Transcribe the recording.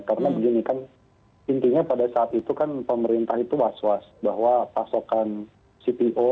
karena begini kan intinya pada saat itu kan pemerintah itu was was bahwa pasokan cpo